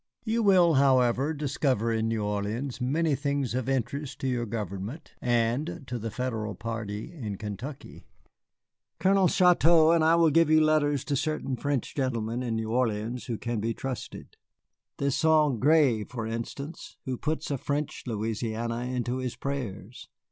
You will, however, discover in New Orleans many things of interest to your government and to the Federal party in Kentucky. Colonel Chouteau and I will give you letters to certain French gentlemen in New Orleans who can be trusted. There is Saint Gré, for instance, who puts a French Louisiana into his prayers.